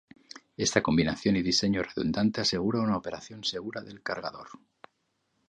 Esta combinación y diseño redundante asegura una operación segura del cargador.